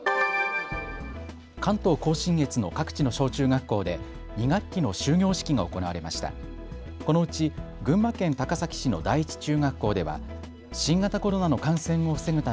関東甲信越の各地の小中学校で２学期の終業式が行われました。